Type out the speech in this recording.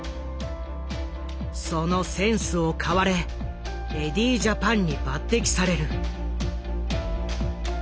そのセンスを買われエディー・ジャパンに抜擢される。